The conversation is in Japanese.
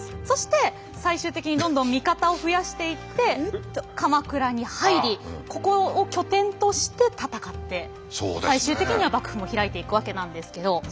そして最終的にどんどん味方を増やしていって鎌倉に入りここを拠点として戦って最終的には幕府も開いていくわけなんですけど。